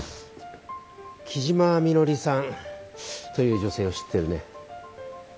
木嶋みのりさんという女性を知ってるね？